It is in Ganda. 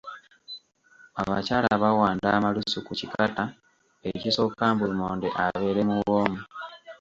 Abakyala bawanda amalusu ku kikata ekisooka mbu lumonde abeere muwoomu.